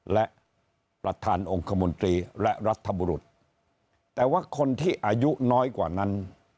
และประธานองค์คมนตรีและรัฐบุรุษแต่ว่าคนที่อายุน้อยกว่านั้น